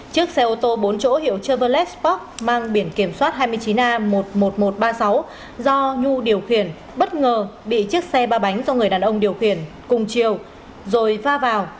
chiếc xe ô tô bốn chỗ hiệu travelles pok mang biển kiểm soát hai mươi chín a một mươi một nghìn một trăm ba mươi sáu do nhu điều khiển bất ngờ bị chiếc xe ba bánh do người đàn ông điều khiển cùng chiều rồi va vào